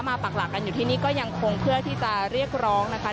ปักหลักกันอยู่ที่นี่ก็ยังคงเพื่อที่จะเรียกร้องนะคะ